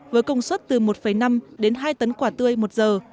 với công suất từ một năm đến hai tấn quả tươi một giờ